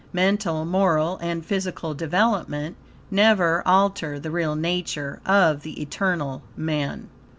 Mental, moral, and physical development, never alter the real nature of the internal man.